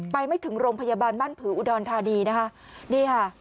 ไปไม่ถึงโรงพยาบาลบ้านผืออุดรธานีนะฮะ